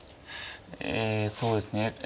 えそうですね。